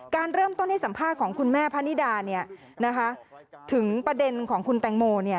การเริ่มต้นให้สัมภาพของคุณแม่พระนิดาถึงประเด็นของคุณแตงโม